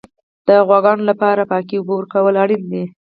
د غواګانو لپاره پاکې اوبه ورکول اړین دي.